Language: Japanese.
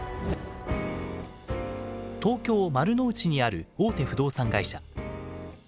東京・丸の内にある大手不動産会社。